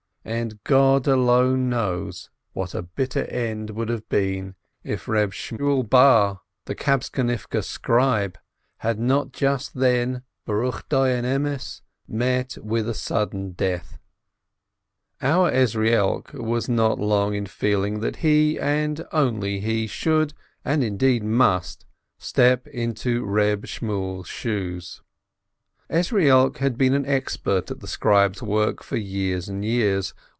And God alone knows what bitter end would have been his, if Eeb Shmuel Bar, the Kabtzonivke scribe, had not just then (blessed be the righteous Judge !) met with a sudden death. Our Ezrielk was not long in feeling that he, and only he, should, and, indeed, must, step into Reb Shmuel's shoes. Ezrielk had been an expert at the scribe's work for years and years.